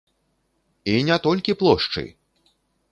І не толькі плошчы!